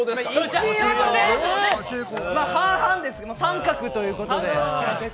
半々ですが、△ということで。